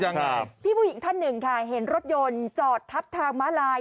ยังไงพี่ผู้หญิงท่านหนึ่งค่ะเห็นรถยนต์จอดทับทางม้าลาย